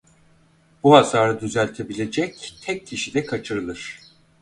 Bu hasarı düzeltebilecek tek kişi de kaçırılır.